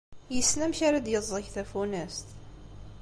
Yessen amek ara d-yeẓẓeg tafunast.